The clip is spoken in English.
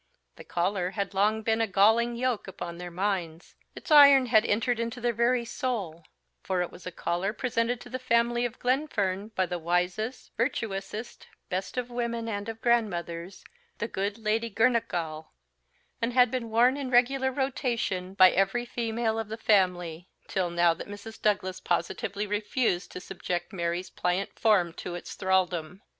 The collar had long been a galling yoke upon their minds; it iron had entered into their very souls; for it was a collar presented to the family of Glenfern by the wisest, virtuousest, best of women and of grandmothers, the the good Lady Girnachgowl; and had been worn in regular rotation by every female of the family till now that Mrs. Douglas positively refused to subject Mary's pliant form to its thraldom.